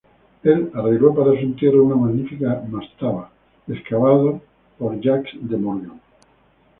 Él arregló para su entierro una magnífica mastaba, excavado por Jacques de Morgan.